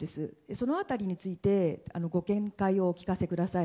その辺りについてご見解をお聞かせください。